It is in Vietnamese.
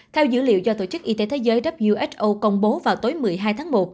theo dữ liệu do tổ chức y tế thế giới who công bố vào tối một mươi hai tháng một